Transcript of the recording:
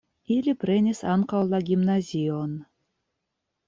Ili prenis ankaŭ la gimnazion.